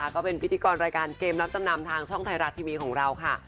ก็เป็นพิธีกรรายการเกมรับจำนำทางช่องไทยรัฐทีวีของเราค่ะ